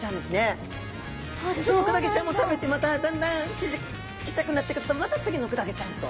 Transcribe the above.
そのクラゲちゃんも食べてまただんだん小さくなってくるとまた次のクラゲちゃんと。